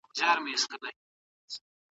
درناوی باید ختم نه سي.